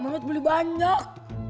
menurut beli banyak